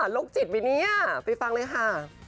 โรคจิตไว้ไปฟังเลยค่ะ